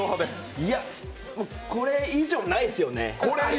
いや、これ以上ないですよね